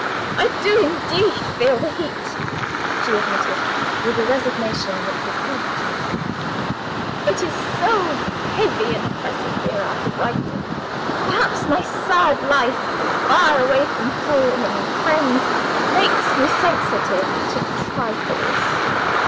"I do indeed feel the heat," she admitted, with a resignation which gently reproved him; "it is so heavy and oppressive here after Brighton. Perhaps my sad life, far away from home and friends, makes me sensitive to trifles.